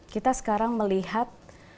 kita sekarang melihat